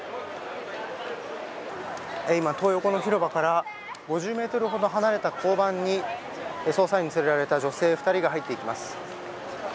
今、トー横の広場から５０ｍほど離れた交番に捜査員に連れられた女性２人が入っていきます。